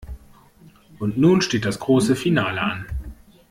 Und nun steht das große Finale an.